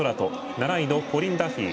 ７位のコリン・ダフィー。